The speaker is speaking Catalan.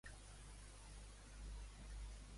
Què seguirà fent el govern d'Espanya?